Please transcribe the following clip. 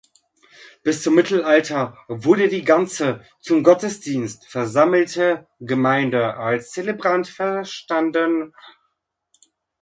Bis zum Mittelalter wurde die ganze zum Gottesdienst versammelte Gemeinde als Zelebrant verstanden.